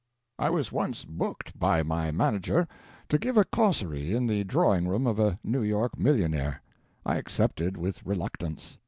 I was once booked by my manager to give a causerie in the drawing room of a New York millionaire. I accepted with reluctance.